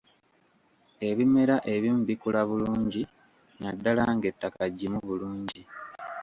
Ebimera ebimu bikula bulungi naddala ng'ettaka ggimu bulungi.